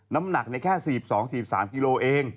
น้ำหนักแค่๔๒๔๓กิโลเอง